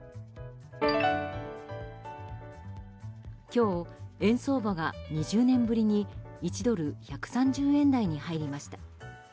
今日、円相場が２０年ぶりに１ドル＝１３０円台に入りました。